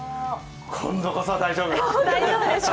今度こそ大丈夫！